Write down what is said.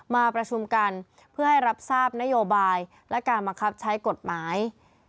มาประชุมกันเพื่อให้รับทราบนโยบายและการบังคับใช้กฎหมาย